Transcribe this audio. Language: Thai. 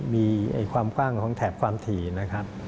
มีความกว้างของแถบความถี่นะครับ